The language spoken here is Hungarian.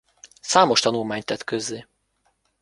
Számos tanulmányt tett közzé.